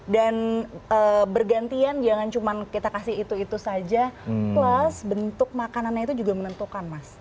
dan bergantian jangan cuma kita kasih itu itu saja plus bentuk makanannya itu juga menentukan mas